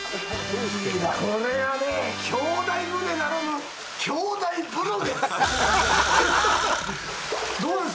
これがね「兄弟船」ならぬ兄弟風呂です。